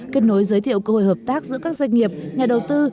kết nối giới thiệu cơ hội hợp tác giữa các doanh nghiệp nhà đầu tư